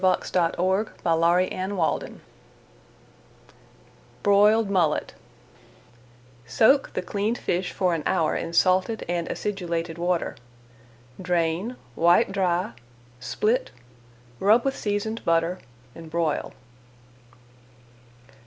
[Page 233] FIVE WAYS TO COOK MULLET BROILED MULLET Soak the cleaned fish for an hour in salted and acidulated water. Drain, wipe dry, split, rub with seasoned butter, and broil.